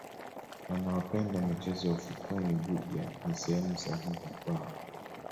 wanaopenda michezo ya ufukweni budya ni sehemu sahihi kwao